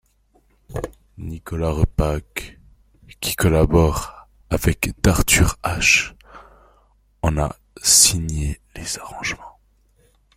Nicolas Repac, qui collabore avec d'Arthur H, en a signé les arrangements.